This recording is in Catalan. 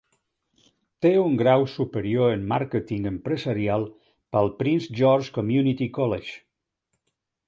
Té un grau superior en màrqueting empresarial pel Prince George's Community College.